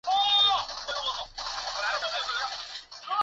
尼米兹即时要求弗莱彻将约克镇号带回中太平洋。